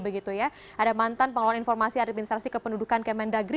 ada mantan pengelola informasi administrasi kependudukan kemendagri